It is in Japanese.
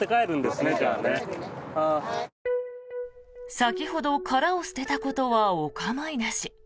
先ほど殻を捨てたことはお構いなし。